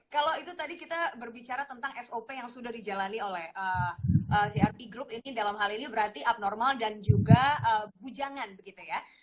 kalau itu tadi kita berbicara tentang sop yang sudah dijalani oleh crp group ini dalam hal ini berarti abnormal dan juga bujangan begitu ya